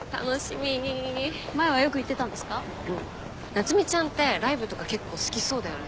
夏海ちゃんってライブとか結構好きそうだよね。